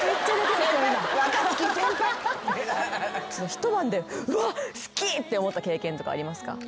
一晩でうわっ好き！って思った経験とかありますか？